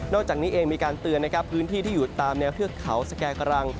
จากนี้เองมีการเตือนนะครับพื้นที่ที่อยู่ตามแนวเทือกเขาสแก่กำลัง